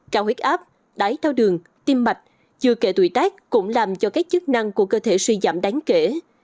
cao huyết áp đáy thao đường tim mạch chưa kể tuổi tác cũng làm cho các chức năng của cơ thể suy giảm đáng kể